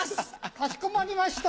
かしこまりました。